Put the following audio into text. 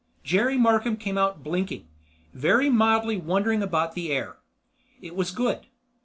Jerry Markham came out blinking; very mildly wondering about the air. It was good.